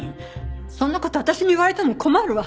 そんな事私に言われても困るわ。